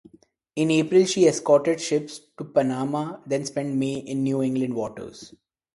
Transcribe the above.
In April, she escorted ships to Panama, then spent May in New England waters.